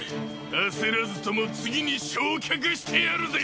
焦らずとも次に焼却してやるぜ。